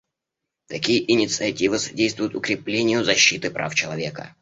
Такие инициативы содействуют укреплению защиты прав человека.